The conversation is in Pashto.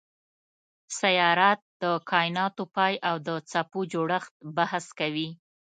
سیارات د کایناتو پای او د څپو جوړښت بحث کوي.